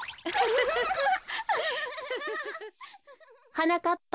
はなかっぱ。